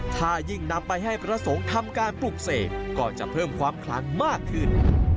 ถ้ายิ่งนำไปให้พระสงฆ์ทำการปลูกเสกก็จะเพิ่มความคลังมากขึ้น